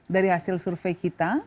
dari hasil survei kita